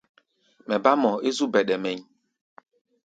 Mɛ bá mɔʼɔ é zú bɛɗɛ mɛʼí̧.